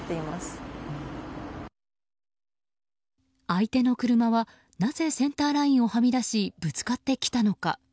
相手の車はなぜセンターラインをはみ出しぶつかってきたのか。